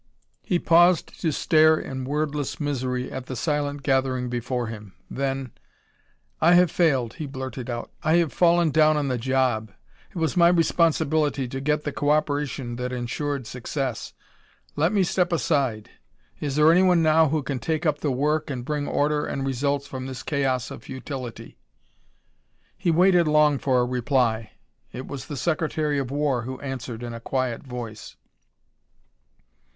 He paused to stare in wordless misery at the silent gathering before him. Then "I have failed," he blurted out. "I have fallen down on the job. It was my responsibility to get the cooperation that insured success. Let me step aside. Is there anyone now who can take up the work and bring order and results from this chaos of futility?" He waited long for a reply. It was the Secretary of War who answered in a quiet voice.